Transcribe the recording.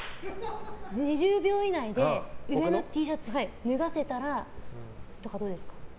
２０秒以内で上のＴシャツ脱がせたらとかどうですか。